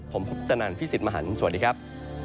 ผมฮุทนานพี่ศิษย์มหันภ์สวัสดีครับ